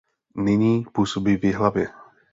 Nyní působí v Jihlavě.